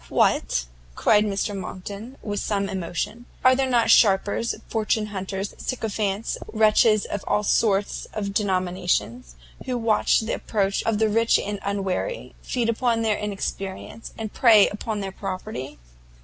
"What!" cried Mr Monckton, with some emotion, "are there not sharpers, fortune hunters, sycophants, wretches of all sorts and denominations, who watch the approach of the rich and unwary, feed upon their inexperience, and prey upon their property?"